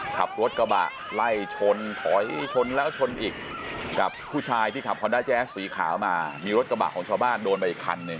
ขับรถกระบะไล่ชนถอยชนแล้วชนอีกกับผู้ชายที่ขับฮอนด้าแจ๊สสีขาวมามีรถกระบะของชาวบ้านโดนไปอีกคันหนึ่ง